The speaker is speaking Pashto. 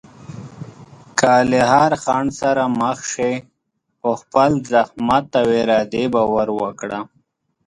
که له هر خنډ سره مخ شې، په خپل زحمت او ارادې باور وکړه.